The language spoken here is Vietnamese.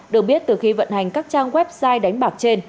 được biết từ khi vận hành các trang website đánh bạc trên